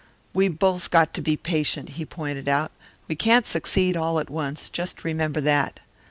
"We both got to be patient," he pointed out. "We can't succeed all at once, just remember that."